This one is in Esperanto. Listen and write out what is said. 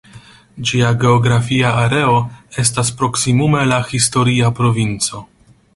Ĝia geografia areo estas proksimume la historia provinco.